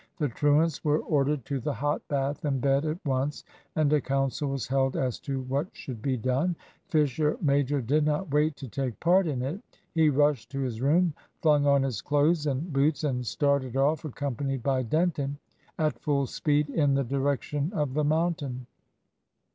The truants were ordered to the hot bath and bed at once, and a council was held as to what should be done. Fisher major did not wait to take part in it. He rushed to his room, flung on his clothes and boots, and started off, accompanied by Denton, at full speed, in the direction of the mountain.